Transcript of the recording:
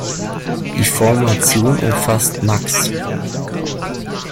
Die Formation umfasst max.